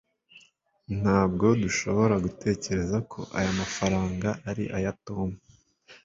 ntabwo dushobora gutekereza ko aya mafaranga ari aya tom